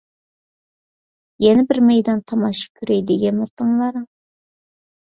يەنە بىر مەيدان تاماشا كۆرەي دېگەنمىتىڭلار؟